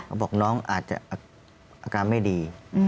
เขาบอกน้องอาจจะอาการไม่ดี